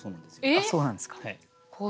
そうなんですか。